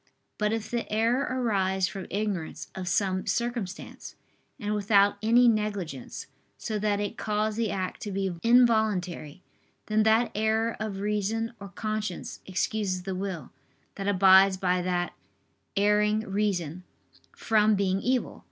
But if the error arise from ignorance of some circumstance, and without any negligence, so that it cause the act to be involuntary, then that error of reason or conscience excuses the will, that abides by that erring reason, from being evil.